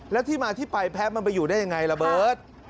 แล้วที่ไปแพ้มันไปอยู่ได้อย่างไรละเบิร์ด